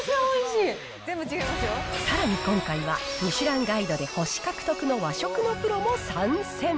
さらに今回は、ミシュランガイドで星獲得の和食のプロも参戦。